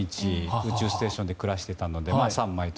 宇宙ステーションで暮らしてたので３枚と。